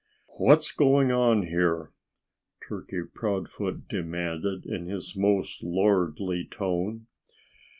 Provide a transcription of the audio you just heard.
"What's going on here?" Turkey Proudfoot demanded in his most lordly tone.